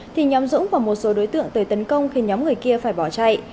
thì nhóm dũng và một số đối tượng tới tấn công khiến nhóm người kia phải bỏ chạy